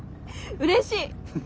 うれしい？